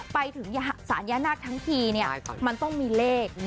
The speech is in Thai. ไปถึงสารย่านาคทั้งทีเนี่ยมันต้องมีเลข